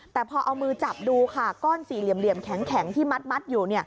แต่พอเอามือจับดูค่ะก้อนสี่เหลี่ยมแข็งที่มัดอยู่